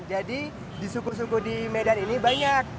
jadi di suku suku di medan ini banyak